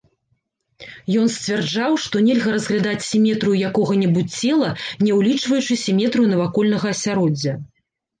Ён сцвярджаў, што нельга разглядаць сіметрыю якога-небудзь цела, не ўлічваючы сіметрыю навакольнага асяроддзя.